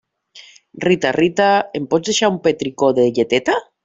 Rita, Rita, em pots deixar un petricó de lleteta?